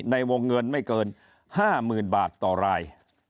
ในวงเงินไม่เกิน๕๐๐๐บาทต่อราย